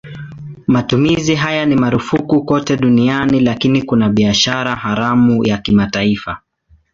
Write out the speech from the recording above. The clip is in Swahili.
Matumizi haya ni marufuku kote duniani lakini kuna biashara haramu ya kimataifa.